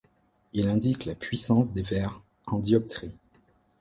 Il indique la puissance des verres en dioptrie.